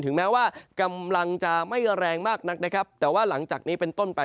แม้ว่ากำลังจะไม่แรงมากนักนะครับแต่ว่าหลังจากนี้เป็นต้นไป